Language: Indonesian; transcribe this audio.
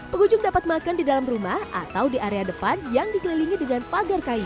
pengunjung dapat makan di dalam rumah atau di area depan yang dikelilingi dengan pagar kayu